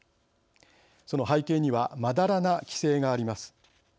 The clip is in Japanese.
その背景にはまだらな規制があります。